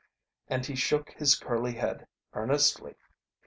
And he shook his curly head earnestly.